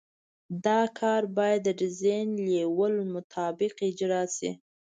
دا کار باید د ډیزاین لیول مطابق اجرا شي